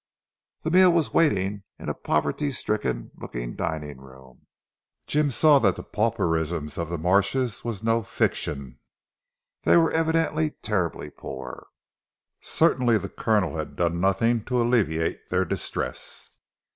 The meal was waiting in a poverty stricken looking dining room. Jim saw that the pauperism of the Marshes was no fiction. They were evidently terribly poor. Certainly the Colonel had done nothing to alleviate their distress.